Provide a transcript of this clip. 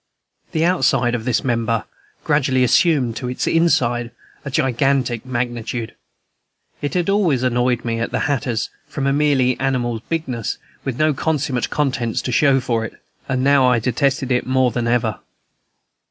The outside of this member gradually assumed to its inside a gigantic magnitude; it had always annoyed me at the hatter's from a merely animal bigness, with no commensurate contents to show for it, and now I detested it more than ever.